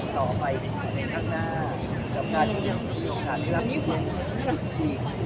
ต่อไปในข้างหน้าสำคัญที่ยังมีโอกาสให้รับทรีย์